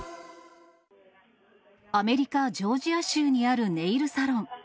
アメリカ・ジョージア州にあるネイルサロン。